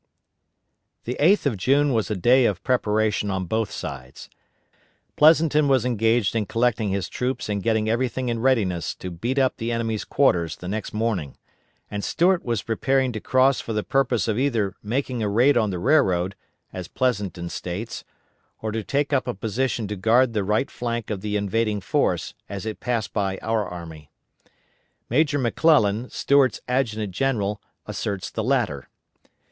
The 8th of June was a day of preparation on both sides. Pleasonton was engaged in collecting his troops and getting everything in readiness to beat up the enemy's quarters the next morning, and Stuart was preparing to cross for the purpose of either making a raid on the railroad, as Pleasonton states, or to take up a position to guard the right flank of the invading force as it passed by our army. Major McClellan, Stuart's adjutant general, asserts the latter.